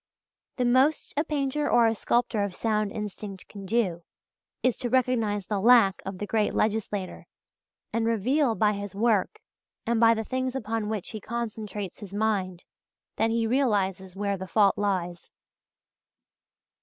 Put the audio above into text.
The most a painter or a sculptor of sound instinct can do, is to recognize the lack of the great legislator, and reveal by his work and by the things upon which he concentrates his mind, that he realizes where the fault lies.